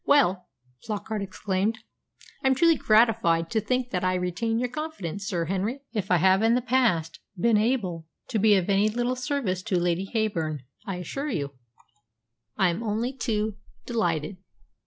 "Well," Flockart exclaimed, "I'm truly gratified to think that I retain your confidence, Sir Henry. If I have in the past been able to be of any little service to Lady Heyburn, I assure you I am only too delighted.